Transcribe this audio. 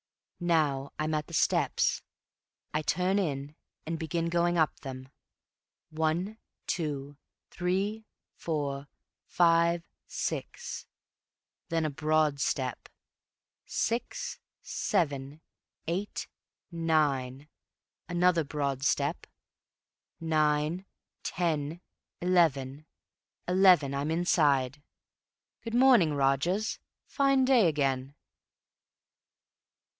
Now I'm at the steps. I turn in and begin going up them. One—two—three—four—five—six, then a broad step; six—seven—eight—nine, another broad step; nine—ten—eleven. Eleven—I'm inside. Good morning, Rogers. Fine day again."